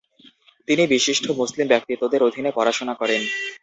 তিনি বিশিষ্ট মুসলিম ব্যক্তিত্বদের অধীনে পড়াশোনা করেন।